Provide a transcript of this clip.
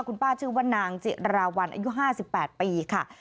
คุณป้าชื่อว่านางจิราวัลอายุ๕๘ปีค่ะ